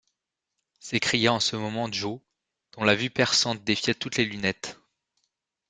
s’écria en ce moment Joe, dont la vue perçante défiait toutes les lunettes.